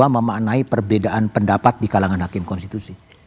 memaknai perbedaan pendapat di kalangan hakim konstitusi